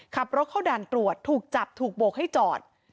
ขับรถเข้าด่านตรวจถูกจับถูกโบกให้จอด